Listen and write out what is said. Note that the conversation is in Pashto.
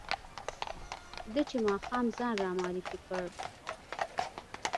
ده چې ماښام ځان را معرفي کړ.